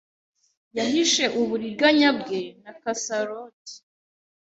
Yahishe uburiganya bwe na Cassalodi